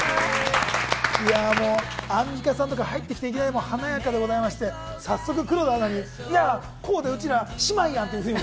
アンミカさんとか入ってきて、いきなり華やかでございまして、早速、黒田アナにいや、コーデ、うちら姉妹やんって。